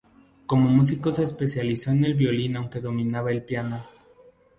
Como músico se especializó en el violín aunque dominaba el piano.